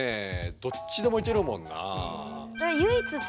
どっちでもいけるもんなあ。